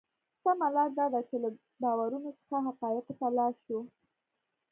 سمه لار دا ده چې له باورونو څخه حقایقو ته لاړ شو.